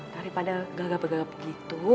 daripada gagap gagap gitu